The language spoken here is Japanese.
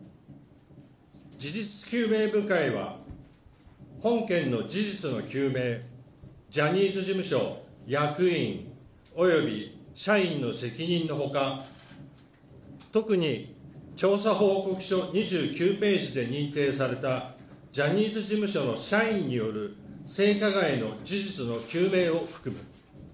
事実究明部会は、本件の事実の究明、ジャニーズ事務所、役員及び社員の責任のほか、特に調査報告書２９ページで認定されたジャニーズ事務所の社員による性加害の事実の究明を含む。